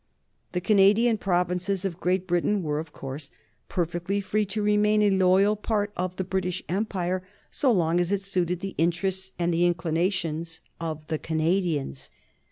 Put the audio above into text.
The Canadian provinces of Great Britain were, of course, perfectly free to remain a loyal part of the British Empire so long as it suited the interests and the inclinations of the Canadians.